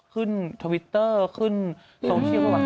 ทวิตเตอร์ขึ้นโซเชียล